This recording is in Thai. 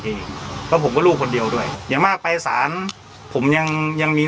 เองแล้วผมก็ลูกคนเดียวด้วยอย่างมากไปสารผมยังยังมี